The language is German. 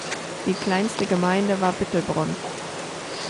Die kleinste Gemeinde war Bittelbronn.